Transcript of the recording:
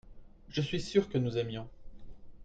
je suis sûr que nous aimions.